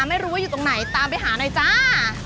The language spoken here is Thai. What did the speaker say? ไม่รู้ว่าอยู่ตรงไหนตามไปหาหน่อยจ้า